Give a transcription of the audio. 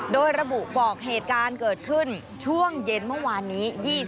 โดยระบุบอกเหตุการณ์เกิดขึ้นช่วงเย็นเมื่อวานนี้